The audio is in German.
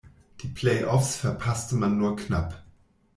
Die Play-Offs verpasste man nur knapp.